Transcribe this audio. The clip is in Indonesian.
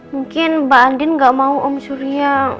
mungkin mbak andin gak mau om surya